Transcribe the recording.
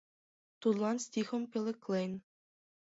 Тудлан стихым пӧлеклен: